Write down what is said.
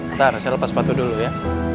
ntar saya lepas sepatu dulu ya